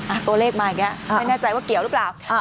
ตัวเลขมาอย่างเงี้ไม่แน่ใจว่าเกี่ยวหรือเปล่า